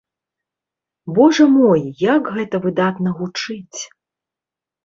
Божа мой, як гэта выдатна гучыць!